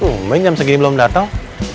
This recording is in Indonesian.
tum ini jam segini belum datang